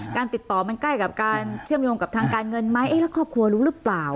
การติดต่อมันใกล้กับการเชื่อมโยงกับทางการเงินไหมแล้วครอบครัวรู้หรือเปล่า